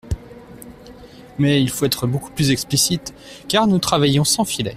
Mais il faut être beaucoup plus explicite, car nous travaillons sans filet.